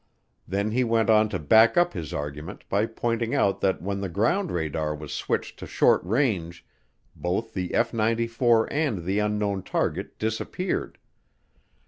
Then he went on to back up his argument by pointing out that when the ground radar was switched to short range both the F 94 and the unknown target disappeared.